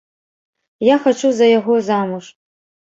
Я хачу за яго замуж.